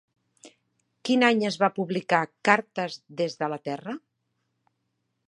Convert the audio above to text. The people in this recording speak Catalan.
Quin any es va publicar Cartes des de la Terra?